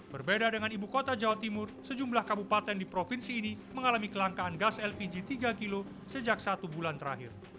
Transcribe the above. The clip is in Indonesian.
berbeda dengan ibu kota jawa timur sejumlah kabupaten di provinsi ini mengalami kelangkaan gas lpg tiga kg sejak satu bulan terakhir